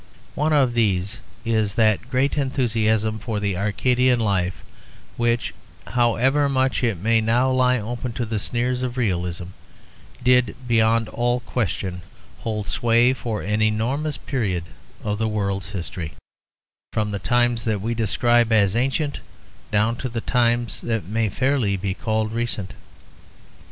One of these is that great enthusiasm for the Arcadian life which, however much it may now lie open to the sneers of realism, did, beyond all question, hold sway for an enormous period of the world's history, from the times that we describe as ancient down to times that may fairly be called recent.